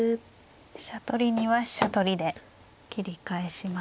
飛車取りには飛車取りで切り返します。